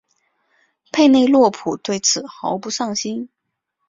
佩内洛普对此毫不上心。